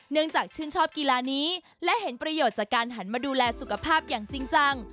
เนื่องจากชื่นชอบกีฬานี้และเห็นประโยชน์จากการหันมาดูแลสุขภาพอย่างจริงจัง